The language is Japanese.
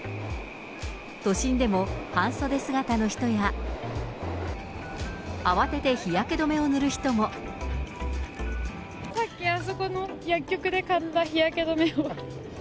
都心でも半袖姿の人や、さっきあそこの薬局で買った日焼け止めね。